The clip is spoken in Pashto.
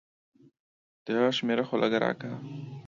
د هغه شميره خو لګه راکه.